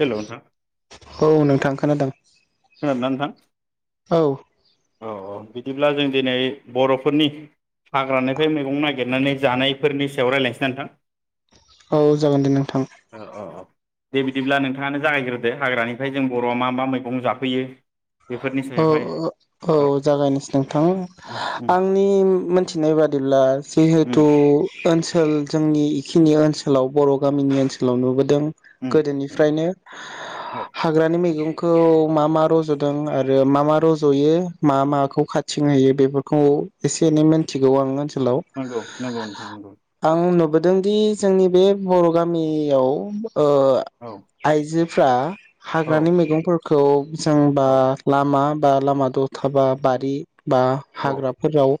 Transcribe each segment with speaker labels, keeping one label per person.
Speaker 1: हेल' नोंथां
Speaker 2: औ नोंथां खोनादों।
Speaker 1: खोनादों ना नोंथां?
Speaker 2: औ
Speaker 1: औ औ बिदिब्ला जों दिनै बर'फोरनि हाग्रानिफ्राय मैगं नागिरनानै जानायफोरनि सायाव रायलायनोसै ना नोंथां।
Speaker 2: औ जागोन दे नोंथां।
Speaker 1: औ औ औ दे बिदिब्ला नोंथाङानो जागायग्रोदो हाग्रानिफ्राय जों बर'आ मा मा मैगं जा होयो‌
Speaker 2: औ औ जागोन नोंथां
Speaker 1: उम
Speaker 2: आंनि मिथिनाय बादि ब्ला
Speaker 1: उम
Speaker 2: जिहेथु ओनस सोल जोंनि इखिनि ओनसोलाव बर गामिनि ओनसोलाव नुबोदों।
Speaker 1: उम उम
Speaker 2: गोदोनिफ्रायनो
Speaker 1: औ
Speaker 2: हाग्रानि मैगं खौ मा मा रज दों आरो मा मा रजयो मा माखौ खाथिं होयो बेफोरखौ एसे एनै मोनथिगौ आं ओनसोलाव
Speaker 1: नंगौ नंगौ नोंथां नंगौ।
Speaker 2: जोंदि जोंनि बे बर' गामियाव ओ
Speaker 1: औ
Speaker 2: आइजो फ्रा
Speaker 1: औ
Speaker 2: हाग्रानि मैगंफोर खौ जों बा
Speaker 1: औ
Speaker 2: लामा बा लामा द'था बा बारि बा
Speaker 1: औ
Speaker 2: हाग्राफोराव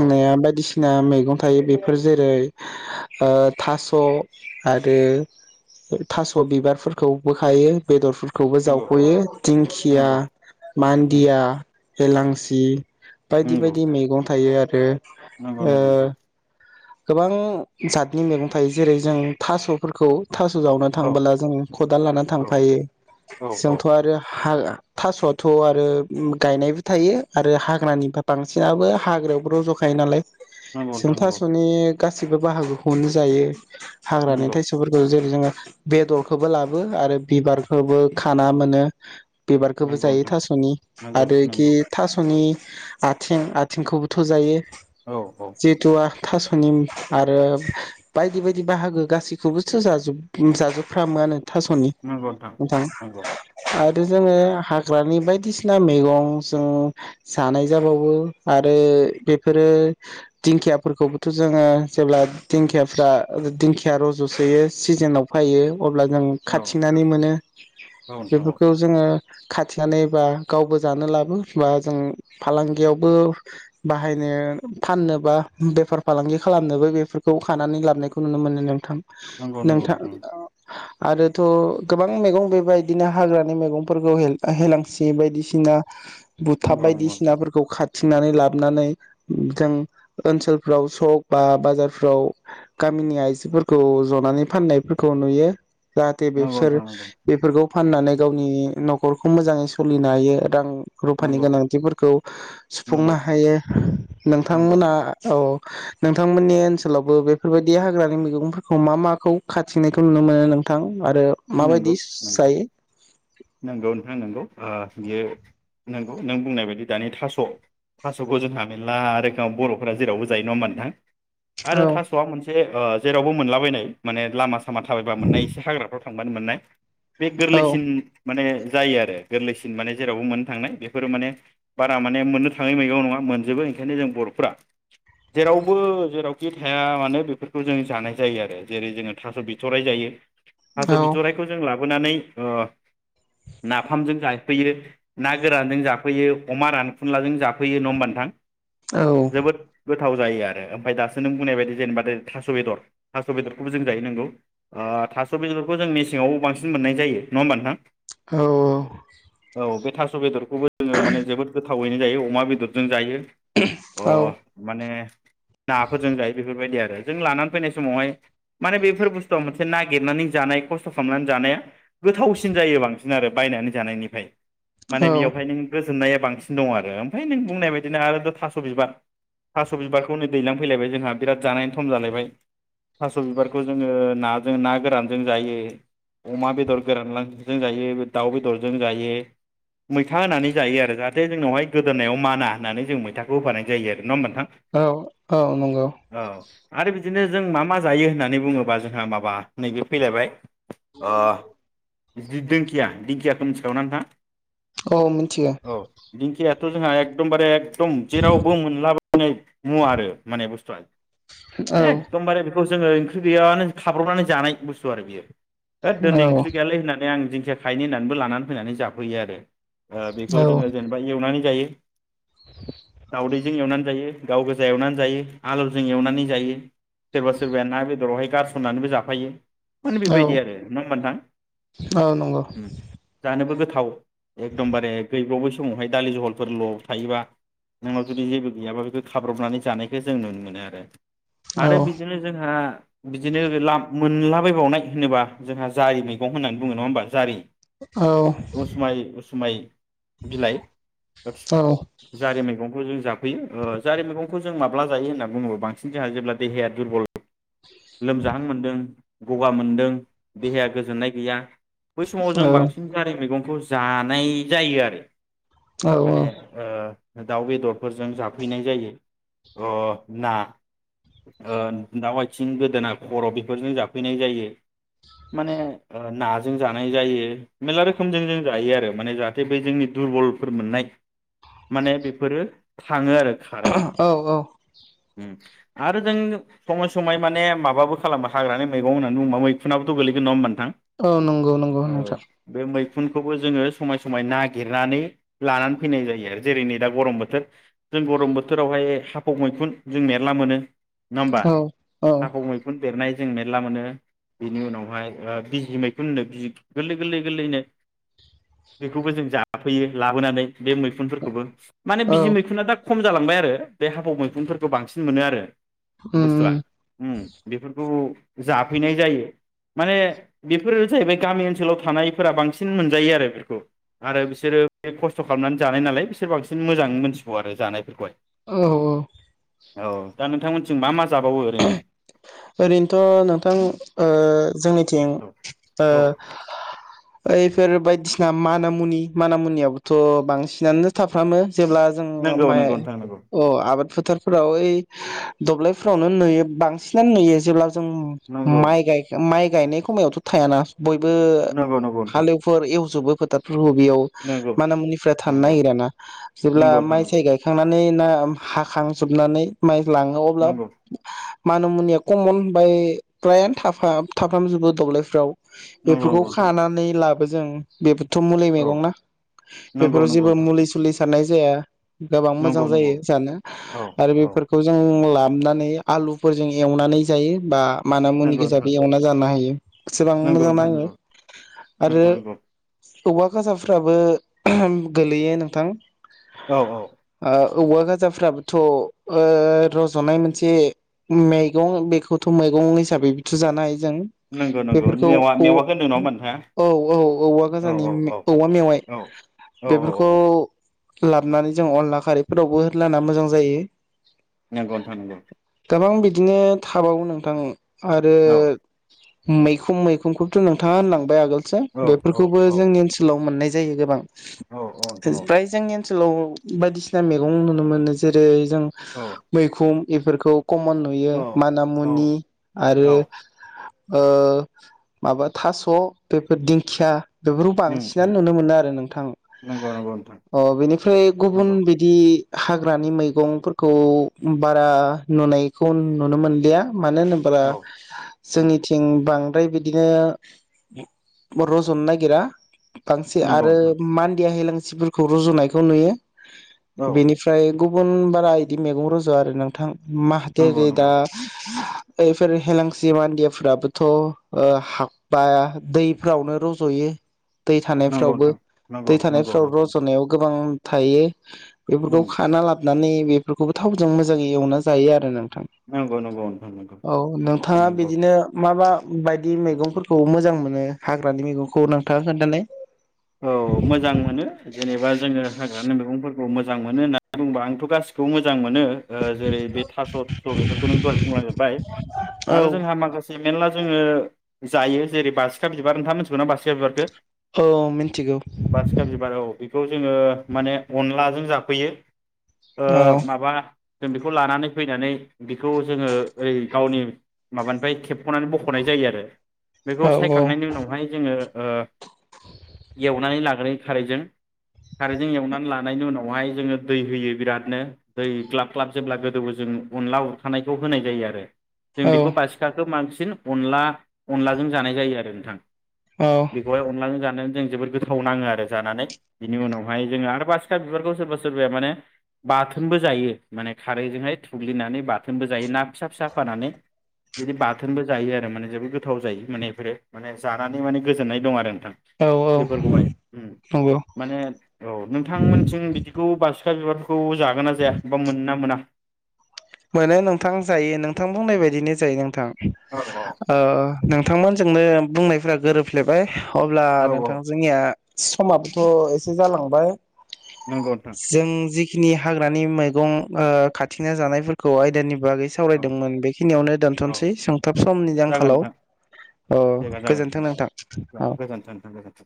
Speaker 1: औ
Speaker 2: बायदिसि ना मैगं थायो। बेफोर जेरै ओ थास' आरो थास' बिबारफोरखौबो खायो बेदरफोर खौबो
Speaker 1: नंगौ
Speaker 2: जावख'यो, दिंखि या
Speaker 1: नंगौ उम
Speaker 2: मान्दिया हेलांसि बायदि
Speaker 1: नंगौ
Speaker 2: बायदि मैगं थायो आर आरो
Speaker 1: नंगौ
Speaker 2: ओ
Speaker 1: नंगौ नोंथां।
Speaker 2: गोबां जातनि मैगं थायो जेरै जों थास'फोरखौ थास' जावनो
Speaker 1: औ
Speaker 2: थांबोला जों खदाल लाना
Speaker 1: औ
Speaker 2: थांफायो।
Speaker 1: औ औ
Speaker 2: जोंथ' आरो हाग थास'आथ' आरो गायनायबो थायो आरो हाग्रानिफ्राय बांसिनाबो हाग्रायावबो रज'खायो नालाय
Speaker 1: नंगौ नोंथां नंगौ।
Speaker 2: बे गासिबो बाहागोखौनो जायो। हाग्रानि
Speaker 1: नंगौ
Speaker 2: थायस'फोरखौ जेरै जोङो बेदरखौबो लाबो आरो बिबारखौबो खाना मोनो। बिबारखोबो
Speaker 1: नंगौ
Speaker 2: जायो
Speaker 1: नोंथां
Speaker 2: थास'नि
Speaker 1: नंगौ
Speaker 2: आरो इखि
Speaker 1: नंगौ
Speaker 2: थास'नि आथिं आथिंखौबोथ' जायो।
Speaker 1: औ औ।
Speaker 2: जिहेथु थास'नि आरो बायदि बायदि बाहागो गासैखोबोसो जाजोब जाजोबफ्रामोआनो। थास'नि नोंथां
Speaker 1: नंगौ
Speaker 2: आरो
Speaker 1: औ
Speaker 2: जोङो हा ग्रानि बायदिसिना मैगं जों जानाय जाबावो आरो बेफोरो दिंखियाफोरखौ जोङो जेब्ला दिंखियाफ्रा दिंखिया रज'सोयो सिजोनाव फायो अब्ला जों
Speaker 1: औ
Speaker 2: खाथिंनानै मोनो
Speaker 1: औ नोंथां औ
Speaker 2: बेफोरखौ जोङो खाथिंनानै बा गावबो जानो लाबो बा जों फालांगियावबो बाहायनो फाननो बा बेफोर फालांगि खालामनोबो बेफोरखौ खानानै लाबनायखौ नुनो मोनो नोंथां।
Speaker 1: नंगौ नंगौ नोंथां।
Speaker 2: आरोथ' गोबां मैगं बेबायदिनो हाग्रानि मैगंफोरबो हे-हेलां सि बायदिसिना बुथा
Speaker 1: नंगौ नंगौ नोंथां
Speaker 2: बायदिसिनाफोरखौ खा थिनानै लाबनानै जों ओनसोल फ्राव सक बा बाजारफ्राव गामिनि आइजोफोरखौ ज'नानै फाननायफोरखौ नुयो। जाहाथे
Speaker 1: नंगौ
Speaker 2: बेसोर
Speaker 1: नोंथां
Speaker 2: बेफोरखौ फाननानै गावनि नखरखौ मोजाङै सोलिनो हायो रां रुफानि
Speaker 1: नंगौ
Speaker 2: गोनांथिफोरखौ
Speaker 1: नंगौ
Speaker 2: सुफुंनो हायो
Speaker 1: नंगौ नंगौ
Speaker 2: नोंथांमोना औ नोंथांमोननि ओनसोलावबो बेफोरबायदि हाग्रानि मैगंफोरखौ मा माखौ खाथिनायखौ नुनो मोनो नोंथां आरो
Speaker 1: नंगौ
Speaker 2: माबायदि
Speaker 1: नंगौ
Speaker 2: जायो
Speaker 1: नंगौ नोंथां नंगौ ओ बियो नंगौ नों बुंनाय बायदि दानि थास थासखौ जोंहा मेरला रोखोमाव बरफोरा जेरावबो जायो नङा होमबा नोंथां आरो
Speaker 2: औ
Speaker 1: थासआ मोनसे ओ जेरावबो मोनला बबायनाय माने लामा खामा थाबायबा मोननाय एसे हाग्राफोर थांबानो मोननाय बे गोरलैसिन
Speaker 2: औ
Speaker 1: माने जायो आरो गोरलैसिन माने जेरावबो मोननो थांनाय बेफोरो माने बारा माने मोननो थाङै मैगं नङा मोनजोबो ओंखायनो जों बरफोरा जेरावबो जेरावखि थाया मानो बेफोरखौ जों जानाय जायो आरो जेरै जोङो थास बिथराइ जायो थास
Speaker 2: औ
Speaker 1: बिथराइखौ जों ला लाबोनानै ओ नाफामजों जाफैयो ना गोरानजों जाफैयो अमा रानखुनलाजों जाफैयो नङ होमबानोथां
Speaker 2: औ
Speaker 1: जोबोद थाव जायो आरो ओमफाय दासो नों बुंनाय बादि जेनेबा दो थास'बेदर थास'बेदरखौबो जों जायो नंगौ आ था- सबेदरखौ जों मेसेंआव बांसिन मोननाय जायो नङा होमबा नोंथां
Speaker 2: औ औ
Speaker 1: औ बे थास'बेदर खौबो जोंओ माने जोबोद गो- थावैनो जायो अमा बेदरजों जायो
Speaker 2: [unintelligible]
Speaker 1: अ
Speaker 2: औ
Speaker 1: माने नाफोरजों जायो बेफोरबायदि आरो जों लानानै फैनाय समावहाय माने बेफोर बुस्थुआव मोनसे ना- नागिरनानै जानाय खस्थ' खामनानै जानाया गोथावसिन जायो बांसिन आरो बायनानै जानायनिफाय माने
Speaker 2: औ
Speaker 1: बेयावहाय नों गोजोननाया बांसिनदं आरो ओमफाय नों बुंनाय बायदिनो आरोथ' थास' बिबार थास' बिबारखौनै दैलां फैलाइबाय जोंहा बिराद जानायनि थम जालायबाय थास'बिबारखौ जोंओ ना- जों ना गोरानजों जायो अमा बेदर गोरानलां जों जायो दाउ बेदरजों जायो मैथा होनानै जायो आरो जाहाथे जोंनावहाय गोदोननायाव माना होननानै जों मैथाखौ होफानाय जायो आरो नङा होमबा नोंथां
Speaker 2: औ औ नंगौ
Speaker 1: औ आरो बिदिनो जों मा मा जायो होननानै बुङोबा जोंहा मा- बा नैबेयाव फैलायबाय अ दि-दि-दिंखिया दिंखियाखौ मिथिखागौना नोंथां?
Speaker 2: औ मिथिगो
Speaker 1: खियाथ' जोंहा एकडमबारे दं जेरावबो मोनलाबाय [inaudible] मुवा आरो माने बुस्थुआ
Speaker 2: औ
Speaker 1: एकडमबारे बेखौ जोङो ओंख्रि गैयाबानो खाब्रबनानै जानाय बुस्थु आरो बेयो। होद दोनै
Speaker 2: औ
Speaker 1: ओंख्रि गैयालै होननानै आं दिंखिया खायैनि होननानैबो लानानै फैनानै जाफैनानै ओ बेखौ
Speaker 2: औ
Speaker 1: जोङो जेनेबा एवनानै जायो [inaudible] दावदैजों एवनानै जायो गावगोजा एवनानै जायो आलुजों एवनानै जायो, सोरबा-सोरबाया ना बेदर आवहाय गारस ननानैबो जाफायो। माने
Speaker 2: औ
Speaker 1: बेबायदि आरो नङा होमबा नोंथां?
Speaker 2: औ नंगौ
Speaker 1: उम जानोबो गो थाव एकडमबारे गैबावबायसो समावहाय दालि जहलफोरल' थायोबा नोंनाव जुदि जेबो गैयाबा बेखौ खाब्रबनानै जानायखो जों नुनो मोनो आरो।
Speaker 2: औ
Speaker 1: आरो बिदिनो जोंहा बि दिनो मोनलाबायबावनाय होनोबा जोंहा जारि मैगं होननानै बुङो नङा होमबा जारि।
Speaker 2: औ
Speaker 1: उसुमाय उसुमाय, बिलाइ
Speaker 2: औ
Speaker 1: जारि मैगंखौ जों जाफैयो ओ जारि मैगंखौ जों माब्ला जायो होनना बुङोबो बांसिन जोंहा जेब्ला देहाया दुरबल लोमजाहां मोनदों। गगा मोनदों देहाया गोजोननाय गैया। बै समाव जों बांसिन जारि मैगं। खौ जानाय जायो आरो।
Speaker 2: औ
Speaker 1: [inaudible] माने ओ दाउ बेदरफोरजों जाफैनाय जायो। ना दाउ आथि गोदोना खर' बेफोरजों जाफैनाय जायो माने नाजों जानाय जायो मेरला रोखोमजों जों जायो आरो माने जाहाथे जोंनि दुरबलफोर मोननाय, माने बेफोरो थाङो आरो। खारो
Speaker 2: [unintelligible] औ औ।
Speaker 1: उम आरो जों समा माय माने माबाबो खालामो हाग्रानि मैगं होननानै बुंङोबा मैखुनाबो' गोलैगोन नङा होनबा
Speaker 2: औ नंगौ नंगौ नोंथां।
Speaker 1: मैखुनखौबो जोङो समाय समाय नागिरनानै लानानै फैनाय जायो आरो जेरै नै दा गरम बोथोर जों गरम बोथोरावहाय हाफाआव मैखुन जों मेरला मोनो। नङा होमबा?
Speaker 2: औ औ
Speaker 1: हाफाव मैखुन। बेरनाय जों मेरला मोनो। बेनि उनावहाय बिजि मैखुन होनो बिजि गोरलै गोरलै गोरलैनो, बेखौबो जों जाफैयो लाबोनानै बे मैखुनफोरखौबो। माने
Speaker 2: औ
Speaker 1: बिजि मैखुनना दा खम जालांबाय आरो बे हाफाव मैखुनफोरखौ बांसिन मोनो आरो। बुस्थुआ
Speaker 2: उम
Speaker 1: उम बेफोरखौ जाफैनाय जायो माने बेफोरो जाहैबाय गामि ओनसोलाव थानायफोरा बांसिन मोनजायो आरो बेफोरखौ आरो बिसोरो बे खस्थ' खालामनानै जानाय नालाय बिसोर बांसिन मोजांङै मोनथिबावो आरो जानायफोरखौहाय।
Speaker 2: औ औ।
Speaker 1: औ दा नोंथांमोनथिं मा मा जाबावो ओरैनो?
Speaker 2: ओरैनोथ' नोंथां ओ जोंनि थिं
Speaker 1: औ
Speaker 2: ओ
Speaker 1: औ
Speaker 2: बैफोर बायदिसिना माना मुनि माना मुनियाबोथ' बांसिनानो थाफ्रामो। जेब्ला जों
Speaker 1: नंगौ
Speaker 2: माइ
Speaker 1: नंगौ नोंथां नंगौ
Speaker 2: अ‌ आबाद। फोथारफोराव ओइ दब्लायफोरावनो नुयो बां सिनानो नुयो जे जों
Speaker 1: नंगौ
Speaker 2: माइ गायखां माइ। गायनाय खमायावथ' थायाना। बयबो
Speaker 1: नंगौ नंगौ नोंथां
Speaker 2: हालेफोर एवजोबो। [inaudible] बियाव
Speaker 1: नंगौ
Speaker 2: माना मुनिफोरा थानो नागिराना जेब्ला
Speaker 1: नंगौ नंगौ
Speaker 2: माइ साय
Speaker 1: नोंथां
Speaker 2: गायखांनानै ना [unintelligible] हाखांजोबनानै माइ लाङो
Speaker 1: नंगौ
Speaker 2: अब्ला मान मुनिया कमन बाय फ्रायानो थाफा-थाफ्रामजोबो द'ब्लायफ्राव।
Speaker 1: नंगौ
Speaker 2: बेफोरखौ
Speaker 1: नोंथां
Speaker 2: खानानै ला जों बे बेथ' मुलि
Speaker 1: औ
Speaker 2: मैगं ना
Speaker 1: नंगौ
Speaker 2: बेफोराव
Speaker 1: नंगौ
Speaker 2: जेबो
Speaker 1: नोंथां
Speaker 2: मुलि सुलि साननाय जाया। गोबां मोजां
Speaker 1: नंगौ
Speaker 2: जायो
Speaker 1: नंगौ
Speaker 2: जानो
Speaker 1: औ
Speaker 2: आरो
Speaker 1: औ
Speaker 2: बेफोरखौ जों ला हमनानै आलु फोरजों एवनानै जायो बा माना मुनि
Speaker 1: नंगौ नोंथां
Speaker 2: गोजाबो एवना जानो हायो। एसेबां
Speaker 1: नंगौ
Speaker 2: मोजां
Speaker 1: नोंथां
Speaker 2: नाङो
Speaker 1: नंगौ
Speaker 2: आरो
Speaker 1: नंगौ नंगौ
Speaker 2: औवा गोजामफ्राबो गोलैयो नोंथां
Speaker 1: औ औ
Speaker 2: ओ औवा गोजामफ्राबोथ' ओ रज'नाय मोनसे मेगं बेखौथ' मैगं हिसाबैबोथ' जानो हायो। जों
Speaker 1: नंगौ नंगौ
Speaker 2: बेफोरखौ
Speaker 1: मेवा
Speaker 2: औ
Speaker 1: मेवाखौ होनदों नङा
Speaker 2: औ औ औवा
Speaker 1: होमबा नोंथाङा औ औ
Speaker 2: गोजानि
Speaker 1: औ
Speaker 2: औवा मेवाइ
Speaker 1: औ औ औ
Speaker 2: बेफोरखौ
Speaker 1: औ
Speaker 2: लाबोनानै जों अनला खारैफोरावबो होलाना मोजां जायो।
Speaker 1: नोंगौ नोंथां नोंगौ।
Speaker 2: गोबां बिदिनो थाबावो नोंथां ओं आरो
Speaker 1: नंगौ
Speaker 2: मैखुम मैखुमखौथ' नोंथाङा होनलांबाय आगोल
Speaker 1: औ औ
Speaker 2: बेफोरखौबो
Speaker 1: औ
Speaker 2: जोंनि ओनसोलाव मोननाय जायो गोबां
Speaker 1: औ औ नोंथां
Speaker 2: फ्राय जोंनि नसोलाव बायदिसिना मैगं नुनो मोनो जेरै- जों
Speaker 1: औ
Speaker 2: मैखुम बेफोरखौ कमन नुयो
Speaker 1: औ
Speaker 2: आरो
Speaker 1: औ
Speaker 2: मानामुनि आरो
Speaker 1: औ
Speaker 2: ओ माबा थास' बेफोर दिंखिया बेफोरखौ
Speaker 1: उम उम
Speaker 2: बांसिनानो नुनो मोनो आरो नोंथां
Speaker 1: नंगौ नंगौ नोंथां
Speaker 2: अ बेनिफ्राय गुबुन
Speaker 1: नंगौ
Speaker 2: बिदि हाग्रानि मैगंफोरखौ बारा नुनायखौ नुनो मोनलिया मानो होनोब्ला
Speaker 1: औ
Speaker 2: जोंनिथिं बां फ्राय बिदिनो रज'न नागिरा बांसि
Speaker 1: नंगौ
Speaker 2: आरो
Speaker 1: नोंथां
Speaker 2: मान्दिया हैलांस नसिफोरखौ रुजुनायखौ नुयो।
Speaker 1: औ
Speaker 2: बेनिफ्राय गुबुन बारा बिदि मैगं रज' आरो नोंथां। माहाथे
Speaker 1: नंगौ
Speaker 2: गै दा
Speaker 1: नंगौ
Speaker 2: फोर हेलांसि मानदियाफ्राबोथ' ओ हाब बा दैफोरावनो रज'यो। दै
Speaker 1: नंगौ
Speaker 2: थानायफ्रावबो
Speaker 1: नोंथां नंगौ
Speaker 2: दै
Speaker 1: नंगौ
Speaker 2: थानायफ्राव
Speaker 1: नंगौ नोंथां
Speaker 2: रज'नायाव गोबां थायो। बेफोरखौ
Speaker 1: उम
Speaker 2: खाना लाबानै बेफोरखौबो थावजों मोजाङै एवना जायो आरो नों। थां
Speaker 1: नंगौ नंगौ नोंथां नंगौ
Speaker 2: औ नोंथाङा
Speaker 1: नंगौ
Speaker 2: बिदिनो माबा। बायदि मैगंफोरखौ मोजां मोनो हाग्रानि मैगंखौ नोंथाङ खोनथालाय
Speaker 1: औ मोजां मोनो जेनेबा जोङो। हाग्रानि मैगंफोरखौ मोजां मोनो होननानै बुंबा आंथ' गासिखौबो मोजां मोनो। ओ जेरै बे थास' थुस' बेफोरखौ नों दहाय बुंलजोबबाय
Speaker 2: औ
Speaker 1: आरो जोंहा माखासे। मेरला जोङो जायो जेरै बासिखा बिबार नोंथाङा मोनथिगौ ना बासिखा बिबारखौ।
Speaker 2: औ मिथिगौ।
Speaker 1: बासिखा बिबार औ बेखौ जोङो माने अनलाजों जाफैयो। ओ
Speaker 2: औ
Speaker 1: माबा जों बेखौ लानानै फैनानै बेखौ जोङो ओइ गावनि माबानिफ्राय खेबख'नानै बख'नाय जायो आरो। बेखौ
Speaker 2: औ औ
Speaker 1: सायखांनायनि उनावहाय जोङो एवनानै लाग्रो खारैजों खारैजों एवनानै लानायनि उनावहाय जोङो दै होयो बिरादनो दै ग्लाब ग्लाब जेब्ला गोदोबो जों अनला उरखानायखौ होनाय जायो आरो। जों
Speaker 2: औ
Speaker 1: बेखौ बासिखाखो मांसिन। बांसिन अनला अनलाजों जानाय जायो आरो नोंथां।
Speaker 2: औ
Speaker 1: बेखौहाय अनला जानो। जों जोबोर गोथाव नाङो आरो जानानै बिनि उनावहाय जोङो आरो बासिखा बिबारखौ सोरबा सोरबाया माने बाथोनबो जायो माने खारैजोंहाय थुग्लिनानै बाथोनबो जायो ना फिसा फिसा फानानै बिदि बाथोनबो जायो आरो माने जोबोद गोथाव जायो मानेफोरो माने जानानै माने गोजोननाय दं आरो नोंथां।
Speaker 2: औ औ
Speaker 1: बेफोरखौहाय
Speaker 2: नंगौ
Speaker 1: माने औ नोंथांमोनथिं बिदिखौ बास [inaudible] खौ जागोन ना जाया बा मोनोना मोना।
Speaker 2: मोनो नोंथां जायो नोंथां बुंनाय बायदिनो जायो नोंथां।
Speaker 1: औ
Speaker 2: नोंथांमोन जोंनो बुंनायफोरा गोरोबफ्लेबाय। अब्ला
Speaker 1: औ औ
Speaker 2: नोंथां जोंनिया समाबोथ' एसे जालांबाय
Speaker 1: नंगौ नोंथां
Speaker 2: जों जि खिनि हा खौहाय दानिब बागै
Speaker 1: औ
Speaker 2: सावरायदोंमोन बेखिनियावनो
Speaker 1: औ
Speaker 2: दोनथ'सै सोंथाब समनि
Speaker 1: जागोन
Speaker 2: आंखालाव
Speaker 1: नोंथां
Speaker 2: औ
Speaker 1: जागोन जागोन
Speaker 2: गोजोन्थों नोंथां औ
Speaker 1: गोजोन्थों नोंथां गोजोन्थों